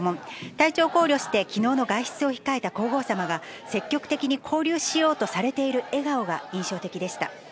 体調を考慮して、きのうの外出を控えた皇后さまが、積極的に交流しようとされている笑顔が印象的でした。